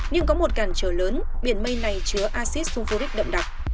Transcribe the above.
nhưng có một cản trở lớn biển mây này chứa asit sulfuric đậm đặc